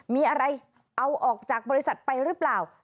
มีอะไรเอาออกจากบริษัทไปหรือเปล่า